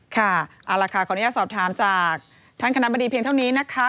ค่ะเอาละค่ะขออนุญาตสอบถามจากท่านคณะบดีเพียงเท่านี้นะคะ